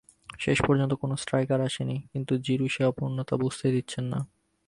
শেষ পর্যন্ত কোনো স্ট্রাইকার আসেনি, কিন্তু জিরু সেই অপূর্ণতা বুঝতেই দিচ্ছেন না।